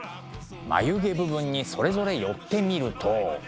眉毛部分にそれぞれ寄ってみると。